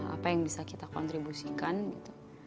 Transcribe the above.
apa yang bisa kita kontribusikan gitu